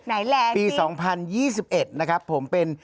ไหนแหล่งสิปี๒๐๒๑นะครับผมเป็น